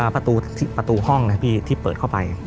ประตูห้องนะพี่ที่เปิดเข้าไป